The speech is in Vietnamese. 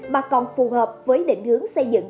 mà còn phù hợp với định hướng xây dựng